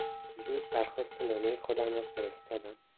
دیروز درخواست نامهی خودم را فرستادم.